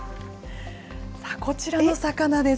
こちらの魚です。